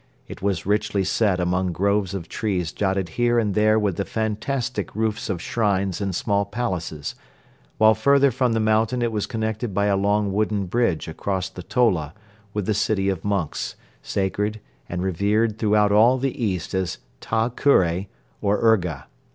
It was richly set among groves of trees dotted here and there with the fantastic roofs of shrines and small palaces, while further from the mountain it was connected by a long wooden bridge across the Tola with the city of monks, sacred and revered throughout all the East as Ta Kure or Urga.